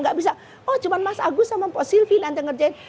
nggak bisa oh cuma mas agus sama pak sylvie nanti ngerjain